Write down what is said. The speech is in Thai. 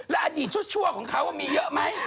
แล้วอดีตชั่วของเขามีเยอะไหม